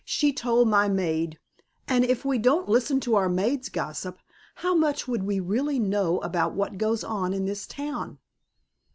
"She told my maid, and if we didn't listen to our maids' gossip how much would we really know about what goes on in this town?"